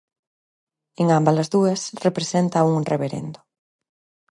En ámbalas dúas representa a un reverendo.